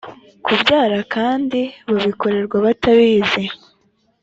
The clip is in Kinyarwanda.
kubyara kandi babikorerwa batabizi